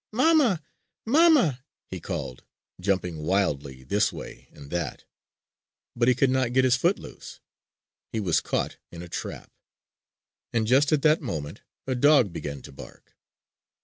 "Mamma! Mamma!" he called, jumping wildly this way and that. But he could not get his foot loose. He was caught in a trap! And just at that moment a dog began to bark!